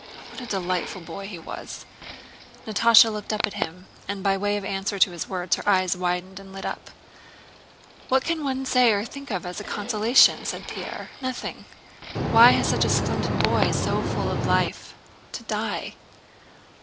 What a delightful boy he was!" Natásha looked at him, and by way of answer to his words her eyes widened and lit up. "What can one say or think of as a consolation?" said Pierre. "Nothing! Why had such a splendid boy, so full of life, to die?"